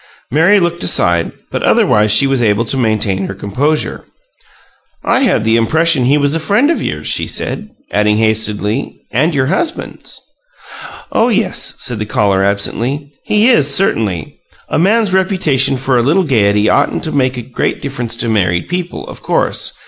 Mary looked aside, but otherwise she was able to maintain her composure. "I had the impression he was a friend of yours," she said; adding, hastily, "and your husband's." "Oh yes," said the caller, absently. "He is, certainly. A man's reputation for a little gaiety oughtn't to make a great difference to married people, of course.